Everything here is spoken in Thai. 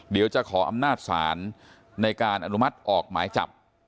เดี๋ยวจะขออำนาจศาลในการอนุมัติออกหมายจับ